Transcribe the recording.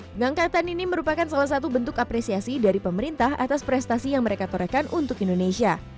pengangkatan ini merupakan salah satu bentuk apresiasi dari pemerintah atas prestasi yang mereka torekan untuk indonesia